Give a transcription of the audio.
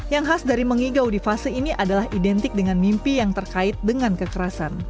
yang khas dari mengigau di fase ini adalah identik dengan mimpi yang terkait dengan kekerasan